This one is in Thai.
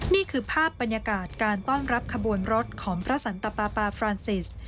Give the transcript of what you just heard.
นี่คือภาพบรรยากาศการต้อนรับขบวนรถของพระสันตปาปาฟรานซิส